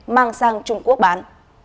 mang sang trung quốc bán